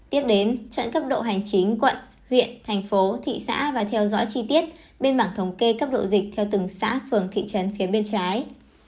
tiếp đến trận cấp độ hành chính quận huyện thành phố thị xã và theo dõi chi tiết bên mảng thống kê cấp độ dịch theo từng xã phường thị trấn phía bên trái